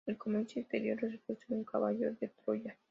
El comercio exterior resultó ser un caballo de Troya.